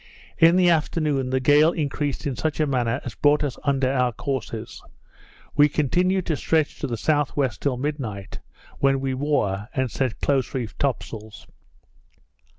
In the afternoon, the gale increased in such a manner as brought us under our courses. We continued to stretch to the S.W. till midnight, when we wore, and set close reefed top sails.